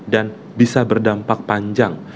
dan bisa berdampak panjang